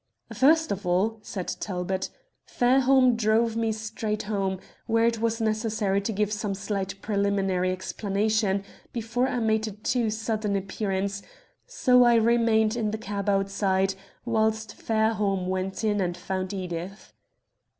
"First of all," said Talbot, "Fairholme drove me straight home, where it was necessary to give some slight preliminary explanation before I made a too sudden appearance, so I remained in the cab outside whilst Fairholme went in and found Edith."